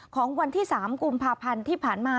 ของวันที่๓กุมภาพันธ์ที่ผ่านมา